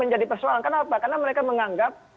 menjadi persoalan kenapa karena mereka menganggap